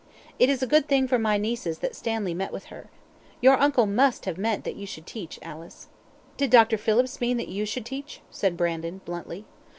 It is a good thing for my nieces that Stanley met with her. Your uncle MUST have meant that you should teach, Alice." "Did Dr. Phillips mean that you should teach?" said Brandon, bluntly.